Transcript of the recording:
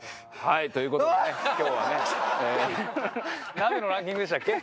鍋のランキングでしたっけ？